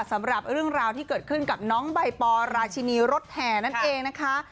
สำหรับเรื่องราวที่เกิดขึ้นกับน้องใบปอราชินีรถแห่นั่นเองนะคะ